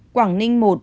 quảng ninh một